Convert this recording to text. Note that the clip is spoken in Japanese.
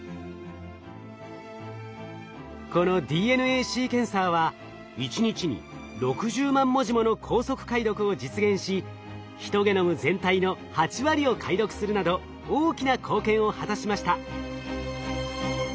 このＤＮＡシーケンサーは一日に６０万文字もの高速解読を実現しヒトゲノム全体の８割を解読するなど大きな貢献を果たしました。